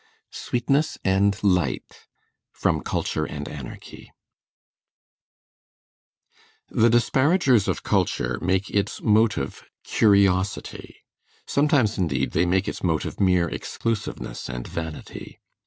SWEETNESS AND LIGHT From 'Culture and Anarchy' The disparagers of culture make its motive curiosity; sometimes, indeed, they make its motive mere exclusiveness and vanity.